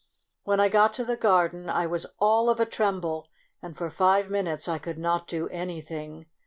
When I got to the garden, I was all of a tremble, and for five minutes I could not do any thing.